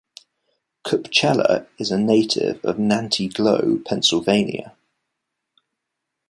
Kupchella is a native of Nanty Glo, Pennsylvania.